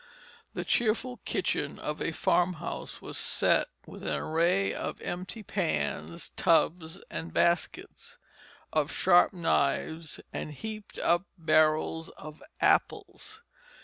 The cheerful kitchen of a farmhouse was set with an array of empty pans, tubs, and baskets; of sharp knives and heaped up barrels of apples.